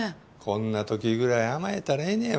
こんな時ぐらい甘えたらええねん